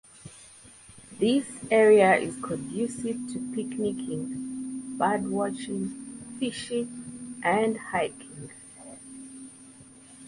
This area is conducive to picnicking, bird watching, fishing, and hiking.